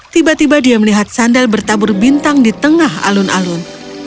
tiba tiba dia melihat sandal bertabur bintang di tengah alun alun